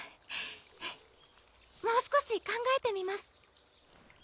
もう少し考えてみます